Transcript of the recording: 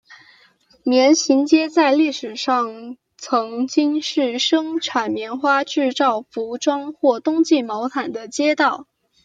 棉行街在历史上曾经是生产棉花制造服装或冬季毛毯的街道。